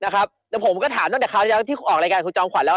แต่ผมก็ถามตั้งแต่คราวแล้วที่ออกรายการคุณจอมขวัญแล้ว